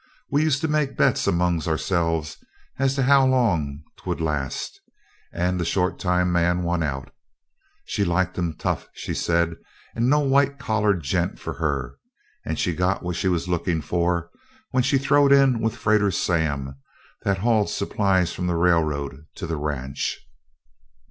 We used to make bets among ourselves as to how long 'twould last, and the short time man won out. She liked 'em 'tough,' she said no white collared gents for her; and she got what she was lookin' for when she throwed in with Freighter Sam that hauled supplies from the railroad to the ranch.